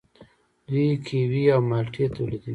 دوی کیوي او مالټې تولیدوي.